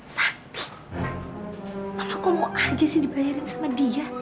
sakti mama kok mau aja dibayarin sama dia